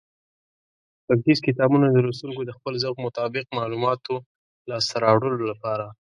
غږیز کتابونه د لوستونکو د خپل ذوق مطابق معلوماتو لاسته راوړلو لپاره